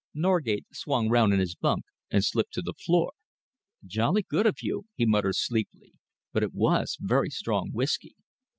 Norgate swung round in his bunk and slipped to the floor. "Jolly good of you," he muttered sleepily, "but it was very strong whisky."